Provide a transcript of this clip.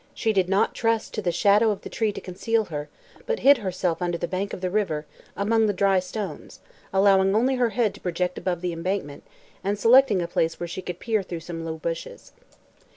She did not trust to the shadow of the tree to conceal her but hid herself under the bank of the river, among the dry stones, allowing only her head to project above the embankment and selecting a place where she could peer through some low bushes.